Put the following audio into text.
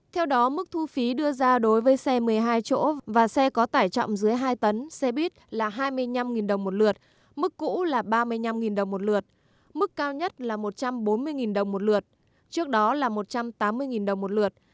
theo đó mức thu phí đưa ra đối với xe một mươi hai chỗ và xe có tải trọng dưới hai tấn xe buýt là hai mươi năm đồng một lượt mức cũ là ba mươi năm đồng một lượt mức cao nhất là một trăm bốn mươi đồng một lượt trước đó là một trăm tám mươi đồng một lượt